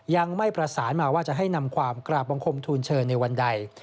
ยังไม่ประสานมาว่าจะให้นำความกราบบังคมทูลเชิญในวันใด